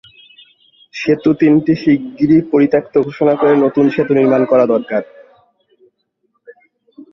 সেতু তিনটি শিগগিরই পরিত্যক্ত ঘোষণা করে নতুন সেতু নির্মাণ করা দরকার।